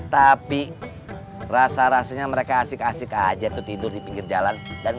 tapi rasa rasanya mereka asik asik aja tuh tidur di pinggir jalan